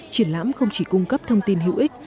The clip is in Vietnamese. triển lãm không chỉ cung cấp thông tin hữu ích